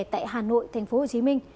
tại hà nội tp hcm